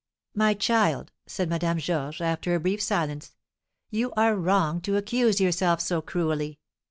"My child," said Madame Georges, after a brief silence, "you are wrong to accuse yourself so cruelly.